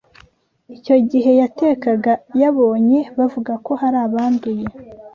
Icyo gihe yatekaga yabonye bavuga ko hari abanduye.